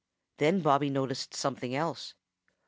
Then Bobby noticed something else.